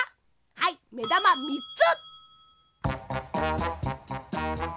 はいめだま３つ！